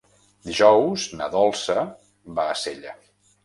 Dijous na Dolça va a Sella.